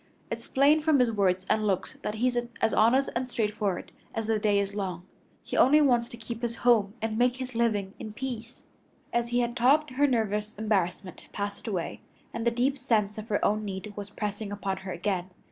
It's plain from his words and looks that he's as honest and straightforward as the day is long. He only wants to keep his home and make his living in peace." As he had talked her nervous embarrassment passed away, and the deep sense of her own need was pressing upon her again.